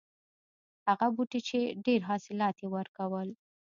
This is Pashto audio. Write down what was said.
هغه بوټی چې ډېر حاصلات یې ورکول.